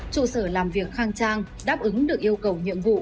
trụ sở làm việc khang trang đáp ứng được yêu cầu nhiệm vụ